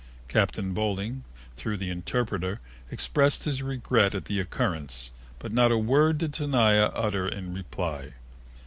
Captain Boling through an interpreter, expressed his regret at the occurrence, but not a word did Tenaya utter in reply.